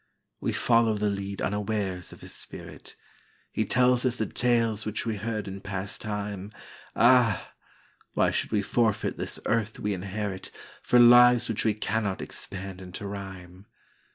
We follow the lead unawares of his spirit, He tells us the tales which we heard in past time; Ah! why should we forfeit this earth we inheritFor lives which we cannot expand into rhyme!